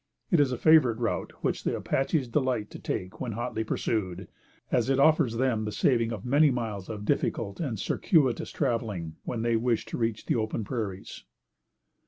It is a favorite route, which the Apaches delight to take when hotly pursued, as it offers them the saving of many miles of difficult and circuitous traveling, when they wish to reach the open prairies.